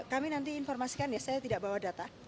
kami nanti informasikan ya saya tidak bawa data